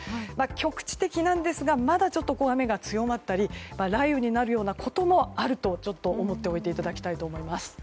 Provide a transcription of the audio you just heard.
局地的なんですがまだ、ちょっと雨が強まったり雷雨になるようなこともあると思っておいていただいたほうがいいと思います。